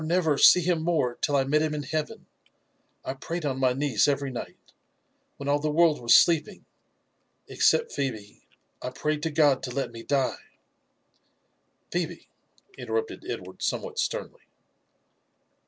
never see him more till I met him in heaven, I prayed on my knees every night, when all the world was sleeping, exeept Pb^be — I prayed to God to let me die *" "Phebe !" interrupted Edward somewhat sternly.